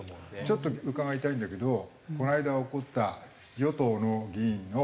ちょっと伺いたいんだけどこの間起こった与党の議員のフランス旅行女性。